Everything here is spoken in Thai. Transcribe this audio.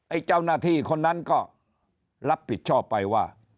เจ้าหน้าที่คนนั้นก็รับผิดชอบไปว่า